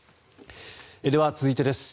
では、続いてです。